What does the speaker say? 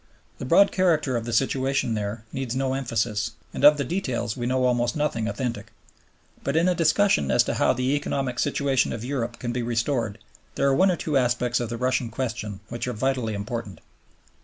The broad character of the situation there needs no emphasis, and of the details we know almost nothing authentic. But in a discussion as to how the economic situation of Europe can be restored there are one or two aspects of the Russian question which are vitally important.